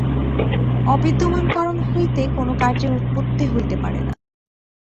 অবিদ্যমান কারণ হইতে কোন কার্যের উৎপত্তি হইতে পারে না।